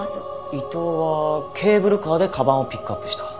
伊藤はケーブルカーで鞄をピックアップした。